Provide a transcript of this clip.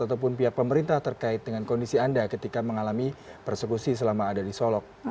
ataupun pihak pemerintah terkait dengan kondisi anda ketika mengalami persekusi selama ada di solok